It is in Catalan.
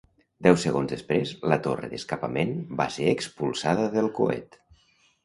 Deu segons després, la torre d'escapament va ser expulsada del coet.